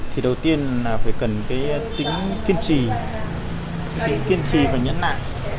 thì đầu tiên là phải cần cái tính kiên trì và nhẫn nạn